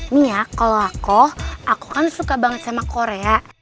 nih ya kalo aku aku kan suka banget sama korea